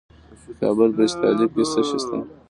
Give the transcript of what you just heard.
د کابل په استالف کې څه شی شته؟